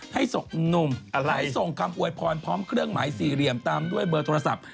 ให้ส่งหนุ่มให้ส่งคำอวยพรพร้อมเครื่องหมายสี่เหลี่ยมตามด้วยเบอร์โทรศัพท์